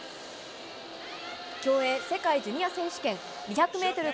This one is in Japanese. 競泳世界ジュニア選手権、２００メートル